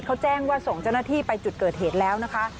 เขาแจ้งว่าส่งเจ้าหน้าที่ไปจุดเกิดเหตุแล้วนะคะ